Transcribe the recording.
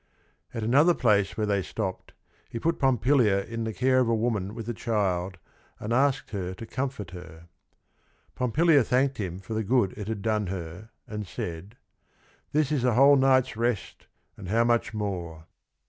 At another place where they stopped, he put Pompilia in the care of a woman with a child and asked her to comfort her. Pompelia thanked him for the good it had done her and said: "This is a whole night's rest and how much more!"